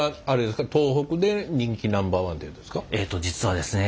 えっと実はですね